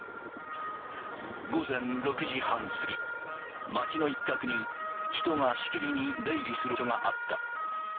午前６時半過ぎ、町の一角に、人がしきりに出入りする場所があった。